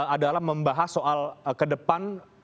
adalah membahas soal kedepan